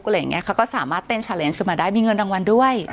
เขาก็สามารถเต้นชาเลนซ์ขึ้นมาได้มีเงินรางวัลด้วย